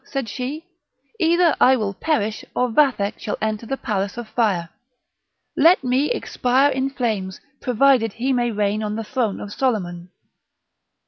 said she; "either I will perish, or Vathek shall enter the palace of fire. Let me expire in flames, provided he may reign on the throne of Soliman!"